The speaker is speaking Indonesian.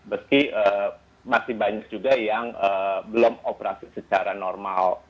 meski masih banyak juga yang belum operasi secara normal